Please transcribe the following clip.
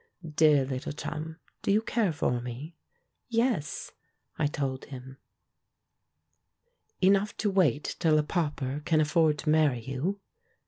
... Dear little chum, do you care for me?" "Yes," I told him. "Enough to wait till a pauper can afford to marry you?"